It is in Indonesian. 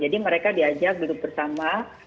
jadi mereka diajak bersama